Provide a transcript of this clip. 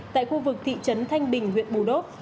tại khu vực thị trấn thanh bình huyện bù đốc